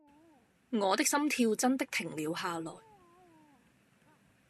我的心跳真的停了下來